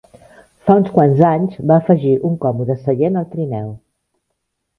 Fa uns quants anys, va afegir un còmode seient al trineu.